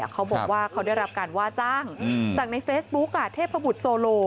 เขาบอกว่าเขาได้รับการว่าจ้างจากในเฟซบุ๊กเทพบุตรโซโล